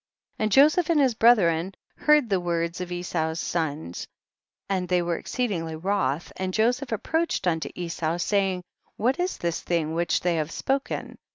51. And Joseph and his brethren heard the words of Esau's sons, and they were exceedingly wroth, and Joseph approached unto Esau, say ing, what is this thing which they have spoken